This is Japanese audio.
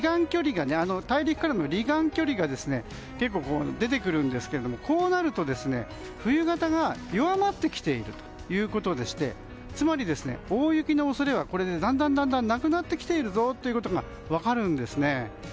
大陸からの離岸距離が結構出てくるんですけどこうなると冬型が弱まってきているということでしてつまり大雪の恐れがだんだんとなくなってきているぞということが分かるんですね。